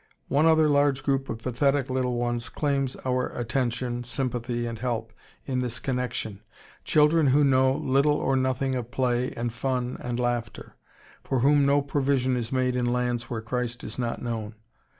One other large group of pathetic little ones claims our attention, sympathy, and help in this connection, children who know little or nothing of play and fun and laughter, for whom no provision is made in lands where Christ is not known.